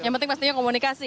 yang penting pastinya komunikasi